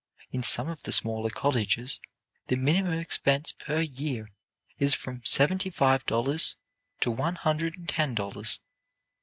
In some of the smaller colleges the minimum expense per year is from seventy five dollars to one hundred and ten dollars.